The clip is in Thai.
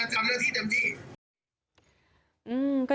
ไม่ต้องห่วงแล้วครับผมดูแลทำเรื่องที่เต็มที่